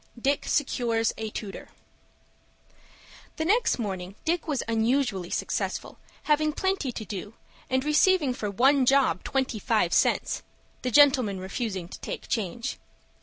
DICK SECURES A TUTOR The next morning Dick was unusually successful, having plenty to do, and receiving for one job twenty five cents,—the gentleman refusing to take change.